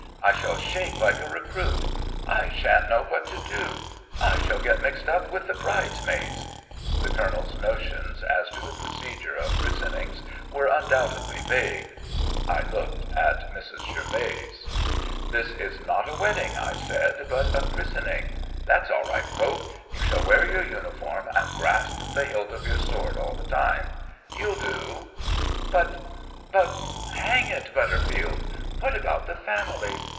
"I shall shake like a recruit. I shan't know what to do I shall get mixed up with the bridesmaids " The Colonel's notions as to the procedure of christenings were undoubtedly vague. I looked at Mrs. Gervase. "This is not a wedding," I said, "but a christening. That's all right, Coke. You shall wear your uniform and grasp the hilt of your sword all the time. You'll do." "But but hang it, Butterfield, what about the family?